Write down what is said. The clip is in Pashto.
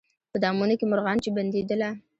په دامونو کي مرغان چي بندېدله